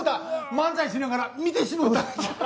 漫才しながら見てしもうた。